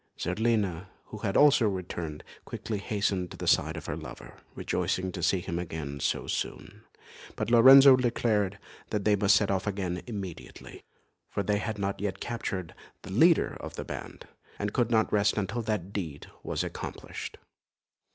Zerlina, who had also returned, quickly hastened to the side of her lover, rejoicing to see him again so soon; but Lorenzo declared that they must set off again immediately, for they had not yet captured the leader of the band, and could not rest until that deed was accomplished.